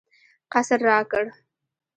قصر راکړ.